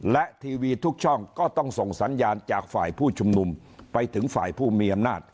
และทีวีทุกช่องก็ต้องส่งสัญญาณจากฝ่ายผู้ชุมนุมไปถึงฝ่ายผู้มีอำนาจ